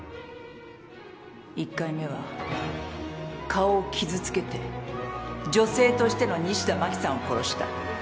１回目は顔を傷つけて女性としての西田真紀さんを殺した。